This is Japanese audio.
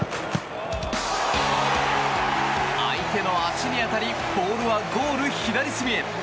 相手の足に当たりボールはゴール左隅へ！